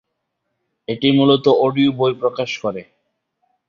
এটি মূলত অডিও বই প্রকাশ করে।